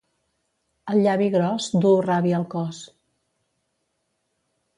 El llavi gros duu ràbia al cos.